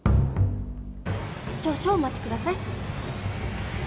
少々お待ちください。